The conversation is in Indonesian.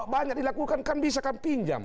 banyak dilakukan kan bisa kami pinjam